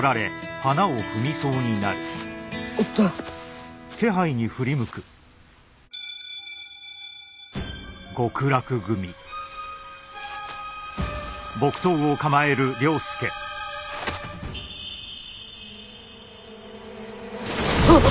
おっと！あっ！